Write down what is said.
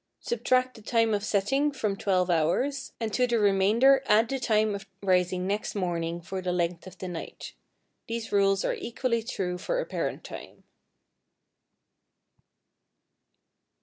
Subtract the time of setting from 12 hours, and to the remainder add the time of rising next morning for the length of the night. These rules are equally true for apparent time.